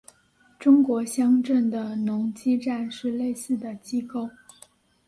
中国乡镇的农机站是类似的机构。